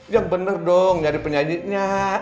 yang bener dong nyari penyanyinya